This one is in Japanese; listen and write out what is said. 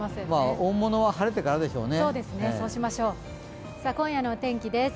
大物は晴れてからでしょうね。